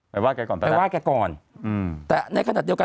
ว่าแกก่อนไปไปว่าแกก่อนอืมแต่ในขณะเดียวกัน